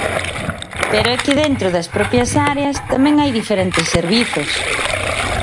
Pero é que dentro das propias áreas tamén hai diferentes servizos.